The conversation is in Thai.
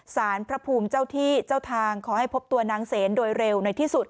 สารพระภูมิเจ้าที่เจ้าทางขอให้พบตัวนางเสนโดยเร็วในที่สุด